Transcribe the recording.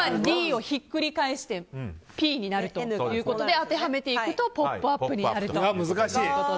ｄをひっくり返してｐになるということで当てはめていくと「ポップＵＰ！」になると。